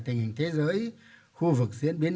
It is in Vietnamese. tình hình thế giới khu vực diễn biến